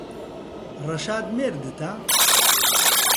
ڕەشاد مێردتە؟